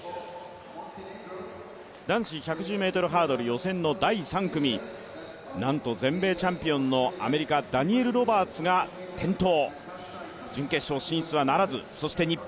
男子１１０ｍハードル予選の第３組、なんと全米チャンピオンの、アメリカ、ダニエル・ロバーツが転倒。